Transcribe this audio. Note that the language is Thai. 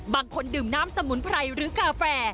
บางคนดื่มน้ำสมุนไพรหรือกาแฟ